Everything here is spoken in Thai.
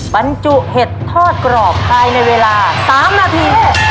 บรรจุเห็ดทอดกรอบภายในเวลา๓นาที